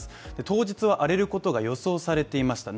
当日は荒れることが予想されていました。